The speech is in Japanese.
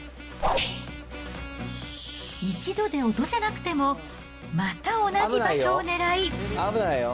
一度で落とせなくても、また同じ場所を狙い。